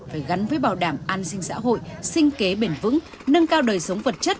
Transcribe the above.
phải gắn với bảo đảm an sinh xã hội sinh kế bền vững nâng cao đời sống vật chất